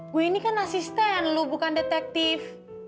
gue ini kan asisten lu bukan detektif